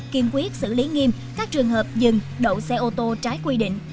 kiên quyết xử lý nghiêm các trường hợp dừng đậu xe ô tô trái quy định